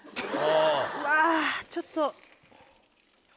うわちょっと。